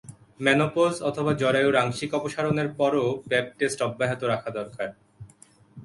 Menopause অথবা জরায়ুর আংশিক অপসারণের পরও প্যাপ টেস্ট অব্যাহত রাখা দরকার।